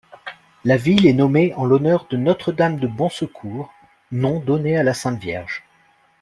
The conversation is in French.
La ville est nommée en l'honneur de Notre-Dame-de-Bonsecours, nom donné à la Sainte Vierge.